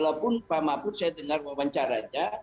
walaupun sama sama saya dengar wawancaranya